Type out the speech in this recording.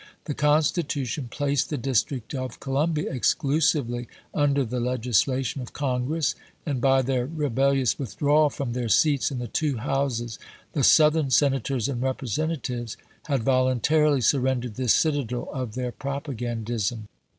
The Constitution placed the District of Columbia exclusively under the legislation of Con gi ess, and by theii' rebellious withdrawal from their seats in the two Houses the Southern Senators and Representatives had voluntarily surrendered this citadel of their propagaudism.